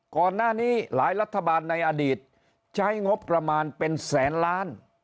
ก่อนหน้านี้หลายรัฐบาลในอดีตใช้งบประมาณเป็นแสนล้าน